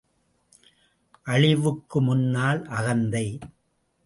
அழிவுக்கு முன்னால் அகந்தை.